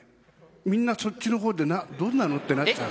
みんなそっちの方でどんなの？ってなっちゃう。